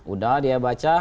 udah dia baca